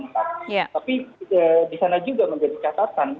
tapi di sana juga menjadi catatan